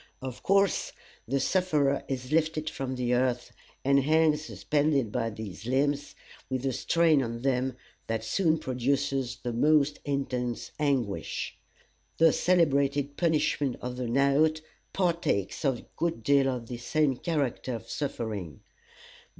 Of course, the sufferer is lifted from the earth, and hangs suspended by his limbs, with a strain on them that soon produces the most intense anguish. The celebrated punishment of the "knout" partakes a good deal of this same character of suffering.